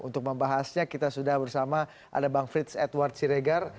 untuk membahasnya kita sudah bersama ada bang frits edward siregar